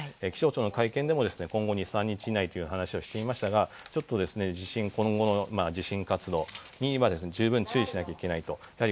気象庁の会見でも今後２３日以内という話をしていましたが今後の地震活動には十分注意しなきゃいけないと。